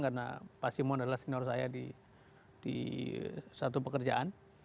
karena pak simon adalah senior saya di satu pekerjaan